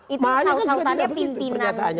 itu saut sautannya pimpinan